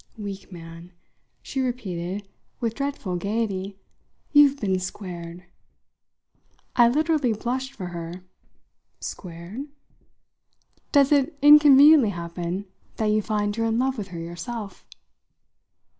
Weak man," she repeated with dreadful gaiety, "you've been squared!" I literally blushed for her. "Squared?" "Does it inconveniently happen that you find you're in love with her yourself?"